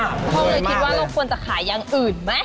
พ่อเลยคิดว่าเราควรจะขายอย่างอื่นไหม